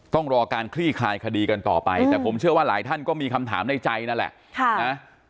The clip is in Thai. ต้องรอการคลี่คลายคดีกันต่อไปแต่ผมเชื่อว่าหลายท่านก็มีคำถามในใจนั่นแหละ